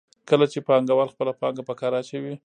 کله چې پانګوال خپله پانګه په کار اچوي